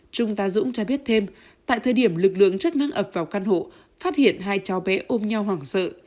trung tá dũng cho biết thêm tại thời điểm lực lượng chức năng ập vào căn hộ phát hiện hai cháu bé ôm nhau hoảng sợ